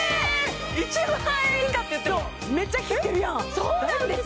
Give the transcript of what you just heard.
１万円以下っていってもそうめっちゃ切ってるやんそうなんです！